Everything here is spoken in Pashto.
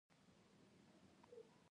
پکورې له زاړه تندور سره هم پخېږي